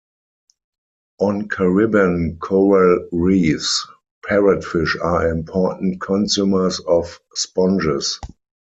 On Caribbean coral reefs, parrotfish are important consumers of sponges.